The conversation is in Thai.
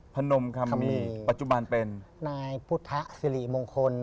พนมคัมมี่ปัจจุบันเป็นนายพุทธสิริมงคล